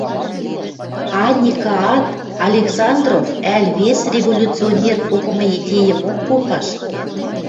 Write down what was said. Аникаат Александров ӓль вес революционер попымы идейӹмок попаш.